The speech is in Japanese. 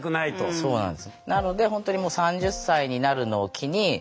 そうなんですよ。